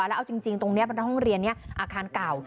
แล้วเอาจริงตรงนี้เป็นห้องเรียนนี้อาคารเก่า